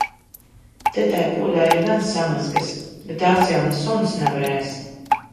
Te tai podā ir gan samazgas, bet tās jau ne suns nevar ēst.